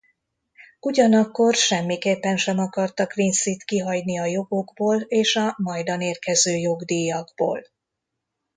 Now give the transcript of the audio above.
Ugyanakkor semmiképpen sem akarta Quincyt kihagyni a jogokból és a majdan érkező jogdíjakból.